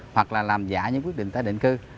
hoặc là làm giả những quyết định tái định cư